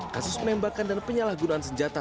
kasus penembakan dan penyalahgunaan senjata